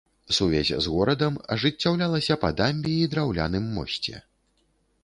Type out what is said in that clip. Сувязь з горадам ажыццяўлялася па дамбе і драўляным мосце.